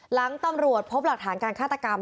หลังตำรวจพบหลักฐานการฆาตกรรม